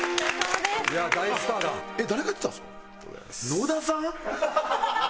野田さん？